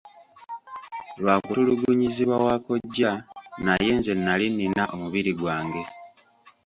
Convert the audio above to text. Lwa kutulugunyizibwa wa kkojja naye nze nnali nnina omubiri gwange.